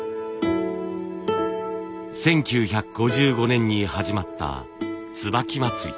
１９５５年に始まった椿まつり。